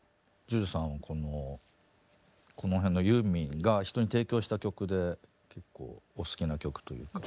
ＪＵＪＵさんはこのこの辺のユーミンが人に提供した曲で結構お好きな曲というか。